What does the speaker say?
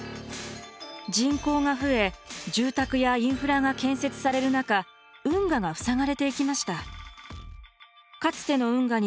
人口が増え住宅やインフラが建設される中運河が塞がれていきました。